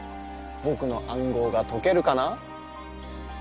僕の暗号が解けるかな？